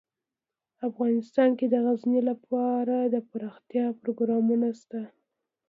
افغانستان کې د غزني لپاره دپرمختیا پروګرامونه شته.